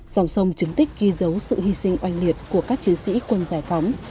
dòng sông chứng tích ghi dấu sự hy sinh oanh liệt của các chiến sĩ quân giải phóng